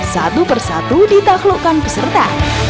satu persatu ditaklukkan peserta